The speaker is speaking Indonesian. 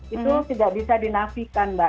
itu tidak bisa dinafikan mbak